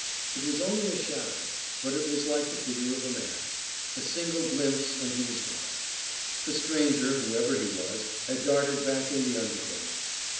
It was only a shadow, but it was like the figure of a man. A single glimpse and he was gone. The stranger, whoever he was, had darted back in the undergrowth.